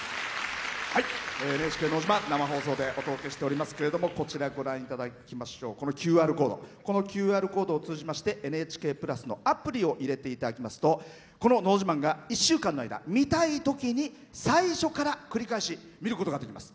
「ＮＨＫのど自慢」生放送でお届けしておりますけどもこのＱＲコードを通じまして「ＮＨＫプラス」のアプリを入れていただきますとこの「のど自慢」が１週間の間見たいときに最初から、繰り返し見ることができます。